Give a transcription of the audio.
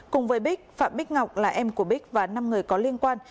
cùng với bích phạm bích ngọc là em của bích và năm người có liên quan